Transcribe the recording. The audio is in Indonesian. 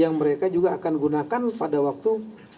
yang mereka juga akan gunakan pada waktu